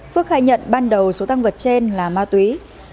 phước khai nhận ban đầu số tăng vật trên là ma túy